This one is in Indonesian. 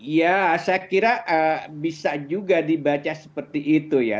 ya saya kira bisa juga dibaca seperti itu ya